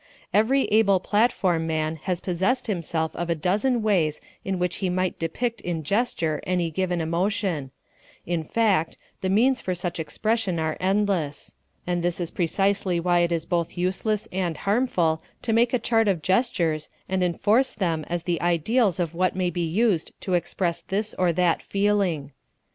Every able platform man has possessed himself of a dozen ways in which he might depict in gesture any given emotion; in fact, the means for such expression are endless and this is precisely why it is both useless and harmful to make a chart of gestures and enforce them as the ideals of what may be used to express this or that feeling.